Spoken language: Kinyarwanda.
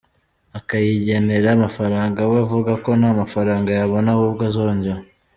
akayigenera amafaranga, we avuga ko nta mafaranga yabona ahubwo azongera.